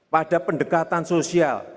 pada pendekatan sosial